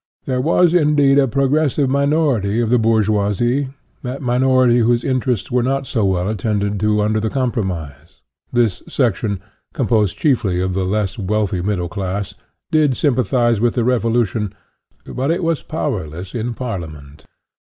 There was indeed a progres sive minority of the bourgeoisie, that minority whose interests were not so well attended to under the compromise; this section, composed chiefly of the less wealthy middle class, did sym pathize with the Revolution, but it was power less in Parliament.